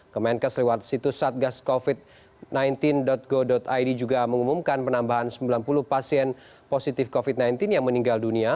kemenkes lewat situs satgascovid sembilan belas go id juga mengumumkan penambahan sembilan puluh pasien positif covid sembilan belas yang meninggal dunia